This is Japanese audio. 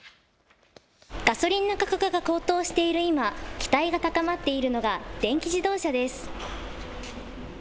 ガソリンの価格が高騰している今、期待が高まっているのが電気自動車です。